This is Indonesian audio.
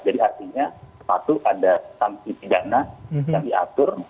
jadi artinya terpatu ada sanksi dana yang diatur